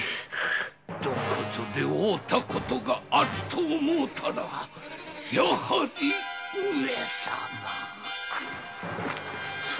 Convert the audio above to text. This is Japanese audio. どごぞで会うた事があると思うたらやはり上様。